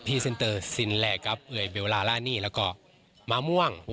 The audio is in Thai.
พี่เซ็นเตอร์ซินแหลกกับเบลล่ารานีแล้วก็มาม่วง